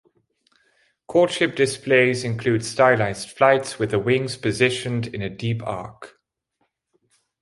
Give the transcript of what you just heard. Courtship displays include stylized flights with the wings positioned in a deep arc.